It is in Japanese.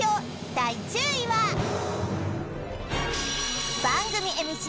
第１０位は番組ＭＣ